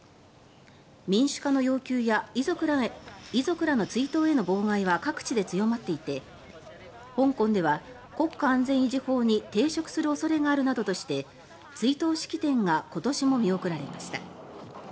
民主化の要求や遺族らの追悼への妨害は各地で強まっていて香港では国家安全維持法に抵触する恐れがあるなどとして追悼式典が今年も見送られました。